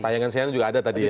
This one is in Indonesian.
tayangan cnn juga ada tadi ya